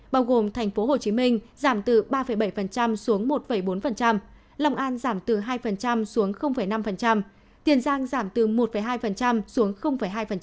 bao gồm tp hcm giảm từ ba bảy xuống một bốn long an giảm từ hai xuống năm tiền giang giảm từ một hai xuống hai